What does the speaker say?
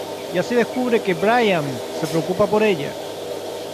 Y así descubre que Brian se preocupa por ella.